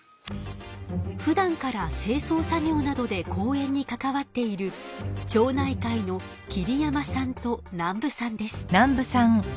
ふだんから清そう作業などで公園に関わっている町内会の桐山さんと南部さんです。